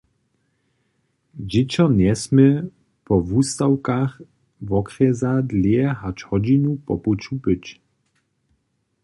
Dźěćo njesmě po wustawkach wokrjesa dlěje hač hodźinu po puću być.